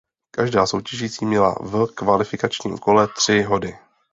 Každá soutěžící měla v kvalifikačním kole tři hody.